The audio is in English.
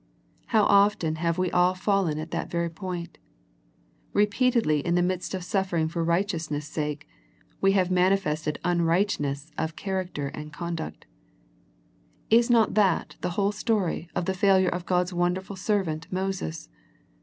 How often have we all fallen at that very point. Repeatedly in the midst of suffering for righteousness sake, we have manifested unrightness of character and of conduct. Is not that the whole story of the failure of God's wonderful servant Moses.